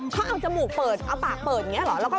เขาเอาจมูกเปิดเอาปากเปิดอย่างนี้เหรอ